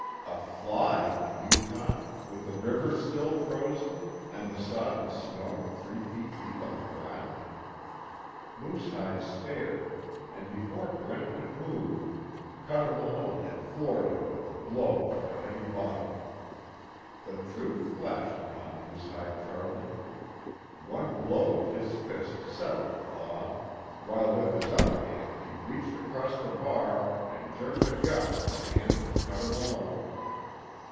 A fly on the Yukon, with the rivers still frozen, and the sodden snow three feet deep on the ground! Moosehide stared, and before Brent could move, Cuter Malone had floored him with a blow from a heavy bottle. The truth flashed upon Moosehide Charlie. One blow of his fist settled Claw, while with his other hand he reached across the bar and jerked a gun from the hand of Cuter Malone.